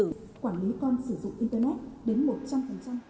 quản lý con sử dụng internet đến một trăm linh